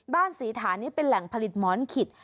ศรีฐานนี้เป็นแหล่งผลิตหมอนขิด